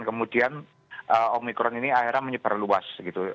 kemudian omikron ini akhirnya menyebar luas gitu